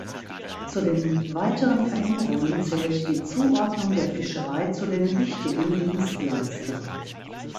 Zu den weiteren Veränderungen zählt die Zuordnung der Fischerei zu den wichtigen Dienstleistern.